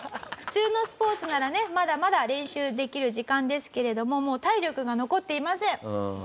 普通のスポーツならねまだまだ練習できる時間ですけれどももう体力が残っていません。